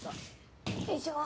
よいしょ。